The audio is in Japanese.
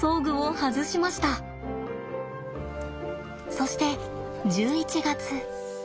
そして１１月。